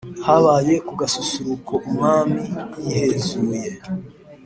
habaye kugasusuruko umwami yihezuye